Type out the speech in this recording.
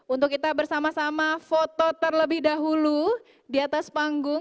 untuk kita bersama sama foto terlebih dahulu di atas panggung